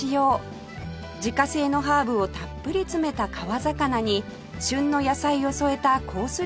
自家製のハーブをたっぷり詰めた川魚に旬の野菜を添えたコース